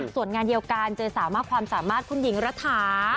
ส่วนงานเดียวกันเจอสาวมากความสามารถคุณหญิงรัฐา